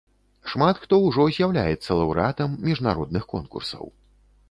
Шмат хто ўжо з'яўляецца лаўрэатам міжнародных конкурсаў.